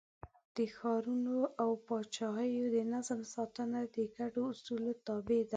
د ښارونو او پاچاهیو د نظم ساتنه د ګډو اصولو تابع ده.